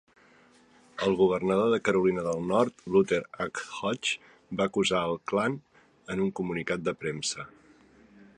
El governador de Carolina del Nord, Luther H. Hodges, va acusar el Klan en un comunicat de premsa.